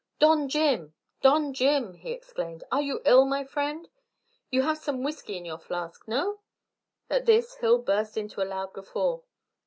"Don Jim! Don Jim!" he exclaimed. "Are you ill, my friend? You have some whisky in your flask, no?" At this Hill burst into a loud guffaw.